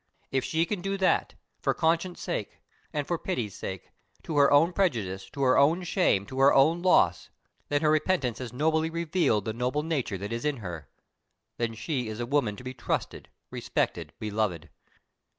If she can do that for conscience' sake, and for pity's sake to her own prejudice, to her own shame, to her own loss then her repentance has nobly revealed the noble nature that is in her; then she is a woman to be trusted, respected, beloved!